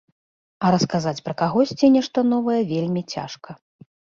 А расказаць пра кагосьці нешта новае вельмі цяжка.